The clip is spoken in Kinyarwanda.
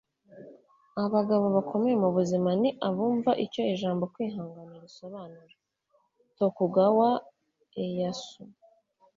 abagabo bakomeye mubuzima ni abumva icyo ijambo kwihangana risobanura. - tokugawa ieyasu